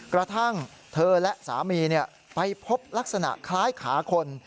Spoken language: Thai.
กระทั่งเธอและสามีไปพบลักษณะคล้ายขาคน